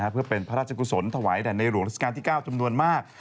เพื่อเป็นพระราชกุศลถวายแด่ในหลวงราชการที่๙จำนวนมาก